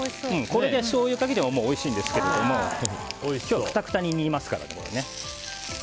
これでしょうゆかけてももうおいしいんですけども今日は、くたくたに煮ますから。